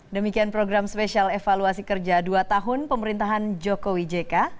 demikian program spesial evaluasi kerja dua tahun pemerintahan jokowi jk